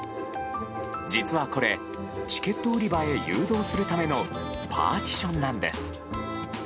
実はこれチケット売り場へ誘導するためのパーティションなんです。